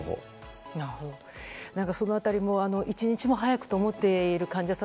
その辺りも一日も早くと思っている患者さん